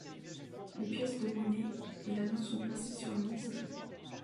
Les pièces de monnaie et l'anneau sont placés sur le missel.